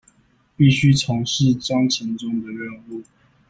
必須從事章程中的任務